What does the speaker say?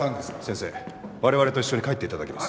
先生我々と一緒に帰って頂きます。